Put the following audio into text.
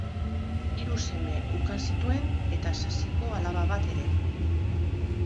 Hiru seme ukan zituen eta sasiko alaba bat ere.